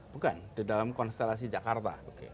bukan di dalam konstelasi jakarta